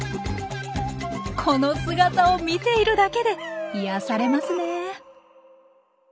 この姿を見ているだけで癒やされますね。